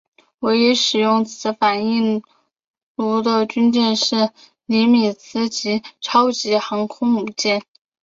唯一使用此反应炉的军舰是尼米兹级超级航空母舰。